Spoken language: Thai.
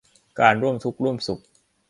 การร่วมทุกข์ร่วมสุข